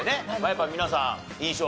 やっぱ皆さん印象